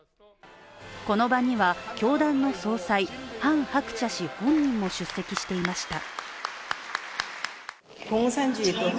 この場には、教団の総裁ハン・ハクチャ氏本人も出席していました。